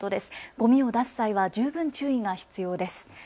ごみを出す際は十分注意が必要です。